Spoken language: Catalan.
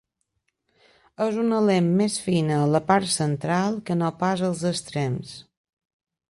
És una lent més fina a la part central que no pas als extrems.